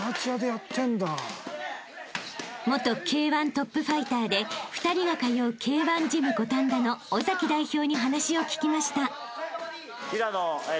［元Ｋ−１トップファイターで２人が通うＫ−１ジム五反田の尾崎代表に話を聞きました］